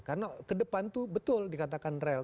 karena ke depan itu betul dikatakan rel